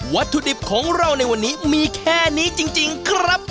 วัตถุดิบของเราในวันนี้มีแค่นี้จริงครับ